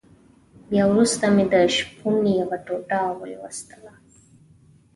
بيا وروسته مې د شپون يوه ټوټه ولوستله.